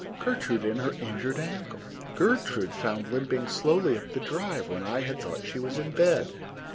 Gertrude and her injured ankle! Gertrude found limping slowly up the drive when I had thought she was in bed!